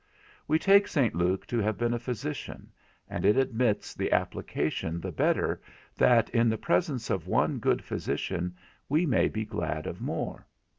We take St. Luke to have been a physician, and it admits the application the better that in the presence of one good physician we may be glad of more.